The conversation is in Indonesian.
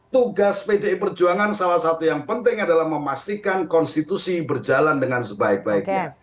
tugas pdi perjuangan salah satu yang penting adalah memastikan konstitusi berjalan dengan sebaik baiknya